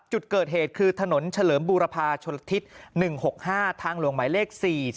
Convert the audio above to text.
จุดเกิดเหตุคือถนนเฉลิมบูรพาชนทิศ๑๖๕ทางหลวงหมายเลข๔๔